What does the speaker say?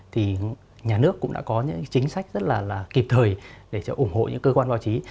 thì nhà nước cũng đã có những chính sách rất là kịp thời để ủng hộ những cơ quan báo chí